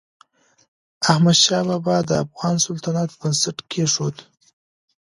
احمدشاه بابا د افغان سلطنت بنسټ کېښود.